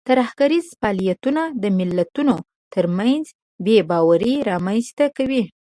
ترهګریز فعالیتونه د ملتونو ترمنځ بې باوري رامنځته کوي.